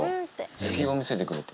隙を見せてくれた。